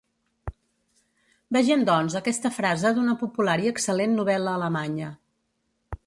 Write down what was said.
Vegem doncs aquesta frase d'una popular i excel·lent novel·la alemanya.